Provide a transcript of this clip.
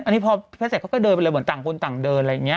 อันนี้พอที่ใช่เขาก็เดินไปเลยเหมือนจ่างคนจ่างเดินอะไรเนี่ย